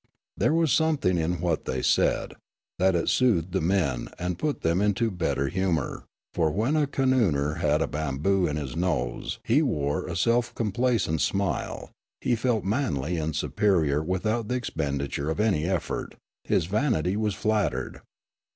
There was something in what they said, that it soothed the men and put them into better humour ; for when a kooannooer had a bamboo in his nose he wore a self complacent smile; he felt manly and superior Social Customs 57 without the expenditure of any effort ; his vanity was flattered.